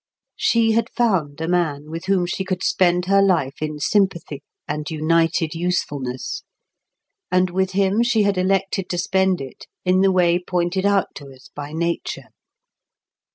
She had found a man with whom she could spend her life in sympathy and united usefulness; and with him she had elected to spend it in the way pointed out to us by nature.